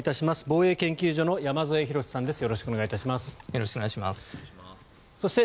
防衛研究所の山添博史さんです。